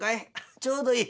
ちょうどいい。